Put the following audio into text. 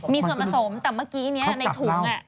มีส่วนผสมแต่เมื่อกี้นี้ในถุง